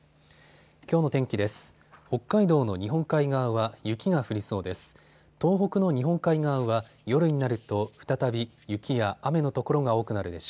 きょうの天気です。